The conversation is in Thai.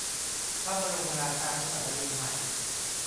พระบรมราชานุสาวรีย์ใหม่